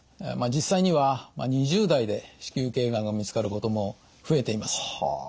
実際には２０代で子宮頸がんが見つかることも増えています。